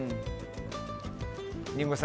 リンゴさん